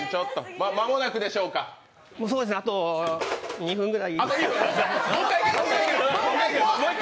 あと２分ぐらい。